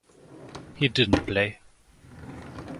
He didn't play.